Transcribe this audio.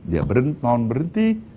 dia mau berhenti